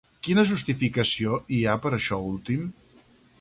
Quina justificació hi ha per això últim?